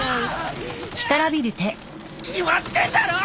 き決まってんだろ！